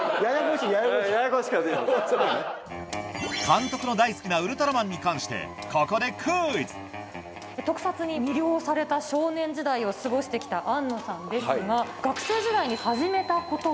監督の大好きな『ウルトラマン』に関してここで特撮に魅了された少年時代を過ごして来た庵野さんですが。